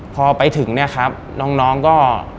พอไปถึงเนี่ยครับน้องก็